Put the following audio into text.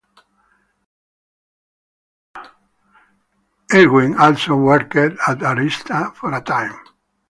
Irwin also worked at Arista for a time.